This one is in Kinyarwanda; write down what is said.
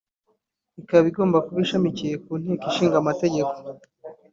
ikaba igomba kuba ishamikiye ku Nteko Ishinga Amategeko